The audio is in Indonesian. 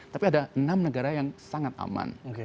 tapi ada enam negara yang sangat aman